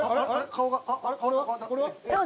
顔が。